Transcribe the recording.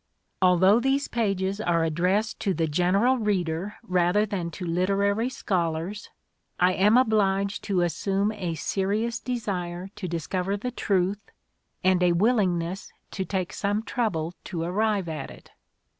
Although these pages are addressed to the general reader rather than to literary scholars, I am obliged to assume a serious desire to discover the truth and a willingness to take some trouble to arrive at it.